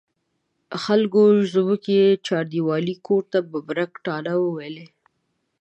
خلکو زموږ بې چاردیوالۍ کور ته ببرک تاڼه ویلې.